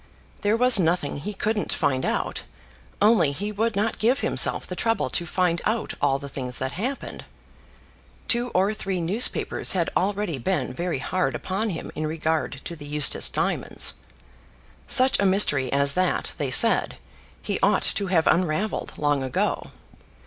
There was nothing he couldn't find out; only he would not give himself the trouble to find out all the things that happened. Two or three newspapers had already been very hard upon him in regard to the Eustace diamonds. Such a mystery as that, they said, he ought to have unravelled long ago.